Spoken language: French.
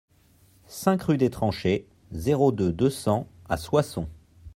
cinq rue des Tranchées, zéro deux, deux cents à Soissons